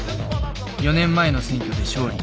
４年前の選挙で勝利。